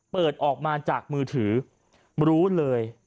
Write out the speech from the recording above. เปิดออกมาจากมือถือรู้เลย